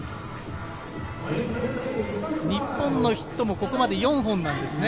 日本のヒットもここまで４本なんですね。